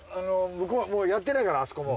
向こうはやってないからあそこも。